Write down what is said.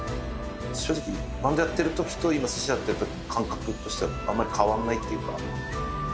正直バンドやってる時と今鮨やってる時の感覚としてはあんまり変わんないっていうか。